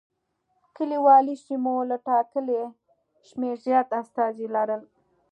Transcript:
کلیوالي سیمو له ټاکلي شمېر زیات استازي لرل.